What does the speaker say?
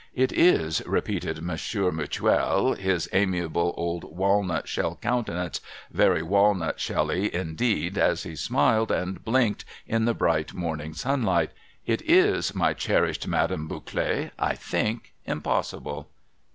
' It is,' repeated Monsieur Mutuel, his amiable old walnut shell countenance very walnut shelly indeed as he smiled and blinked in the bright morning sunlight, —' it is, my cherished Madame Bouclet, I think, impossible